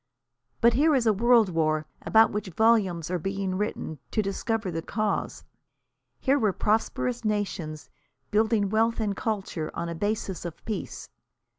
But here is a world war about which volumes are being written to discover the cause. Here were prosperous nations, building wealth and culture on a basis of peace.